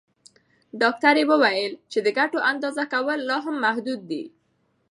ډاکټره وویل چې د ګټو اندازه کول لا هم محدود دي.